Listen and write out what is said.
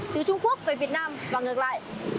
từ trung quốc về việt nam và ngược lại